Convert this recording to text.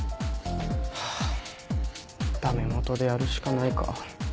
ハァ駄目もとでやるしかないか。